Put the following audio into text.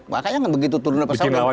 makanya kan begitu turun lepas satu